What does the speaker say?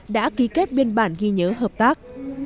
đã ký kết biên bản ghi nhớ hợp tác